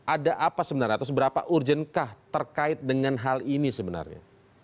ada apa sebenarnya atau seberapa urgenkah terkait dengan hal ini sebenarnya